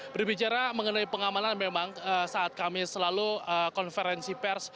berbicara mengenai pengamanan memang saat kami selalu konferensi pers